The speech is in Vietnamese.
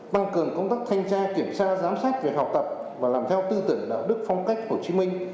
tăng cường công tác thanh tra kiểm tra giám sát về học tập và làm theo tư tưởng đạo đức phong cách hồ chí minh